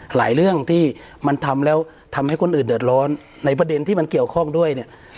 หลายเรื่องที่มันทำแล้วทำให้คนอื่นเดือดร้อนในประเด็นที่มันเกี่ยวข้องด้วยเนี่ย